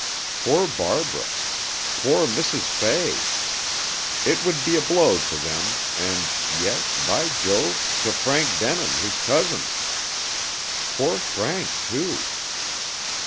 Poor Barbara! Poor Mrs. Fay! It would be a blow to them, and yes, by Jove, to Frank Denin, his cousin. Poor Frank, too!